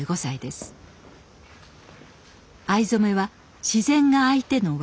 藍染めは自然が相手の技。